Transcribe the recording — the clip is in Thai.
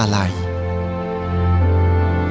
หัวใจของนายช่างศิลปกรรมแห่งราชการที่๙